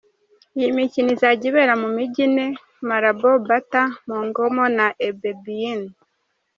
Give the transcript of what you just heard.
Iyi mikino izajya ibera mu Mijyi ine Malabo, Bata, Mongomo na Ebebiyin.